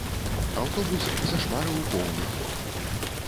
Аўтобус зашпарыў поўны ход.